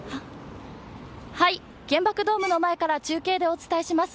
原爆ドームの前から中継でお伝えします。